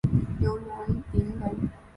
刘元霖人。